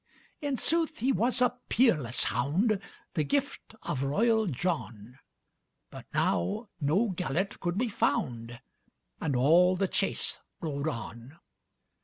In sooth he was a peerless hound, The gift of royal John; But now no Gêlert could be found, And all the chase rode on.